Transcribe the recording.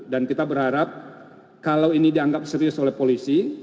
dan kita berharap kalau ini dianggap serius oleh polisi